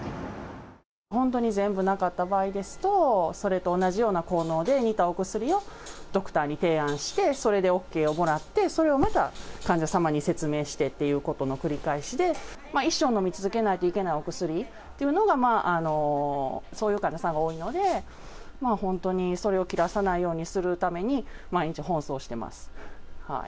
本当に全部なかった場合ですと、それと同じような効能で似たお薬をドクターに提案して、それでＯＫをもらって、それをまた患者様に説明してっていうことの繰り返しで、一生飲み続けないといけないお薬というのが、そういう患者さんが多いので、本当にそれを切らさないようにするために、毎日奔走しています。